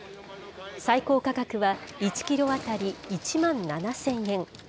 最高価格は１キロ当たり１万７０００円。